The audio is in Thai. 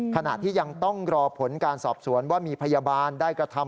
ขณะที่ยังต้องรอผลการสอบสวนว่ามีพยาบาลได้กระทำ